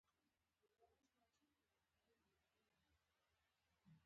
دریم ډیپلوماسي له سوله اییزو لارو ترسره کیږي